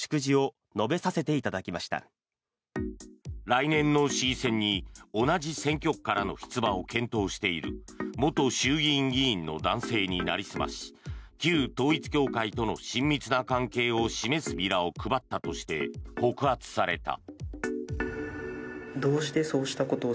来年の市議選に同じ選挙区からの出馬を検討している元衆議院議員の男性になりすまし旧統一教会との親密な関係を示すビラを配ったとして告発された。